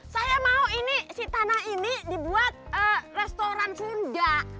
saya mau ini si tanah ini dibuat restoran sunda